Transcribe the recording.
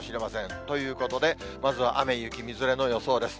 ということで、まずは雨、雪、みぞれの予想です。